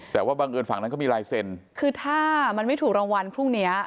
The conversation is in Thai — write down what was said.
แต่ว่าบังเอิญฝั่งนั้นเขามีลายเซ็นคือถ้ามันไม่ถูกรางวัลพรุ่งเนี้ย